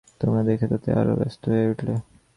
তোমরা দেখি তাতে আরো ব্যস্ত হয়ে উঠলে।